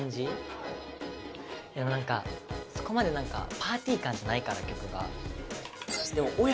でもなんかそこまでなんかパーティー感じゃないから曲が。